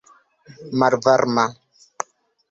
malvarma